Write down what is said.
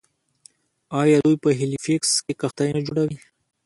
آیا دوی په هیلیفیکس کې کښتۍ نه جوړوي؟